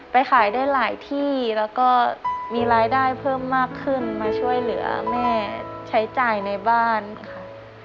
ขายได้หลายที่แล้วก็มีรายได้เพิ่มมากขึ้นมาช่วยเหลือแม่ใช้จ่ายในบ้านค่ะ